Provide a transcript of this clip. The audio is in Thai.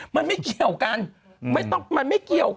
มันไม่เกี่ยวกันมันไม่เกี่ยวกัน